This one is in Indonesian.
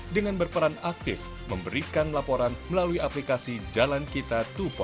dengan berperan aktif memberikan laporan melalui aplikasi jalan kita dua